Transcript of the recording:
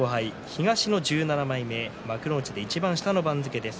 東の１７枚目幕内でいちばん下の番付です。